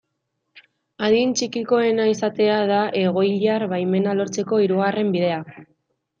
Adin txikikoena izatea da egoiliar baimena lortzeko hirugarren bidea.